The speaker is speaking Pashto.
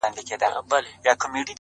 اوس چي زه ليري بل وطن كي يمه؛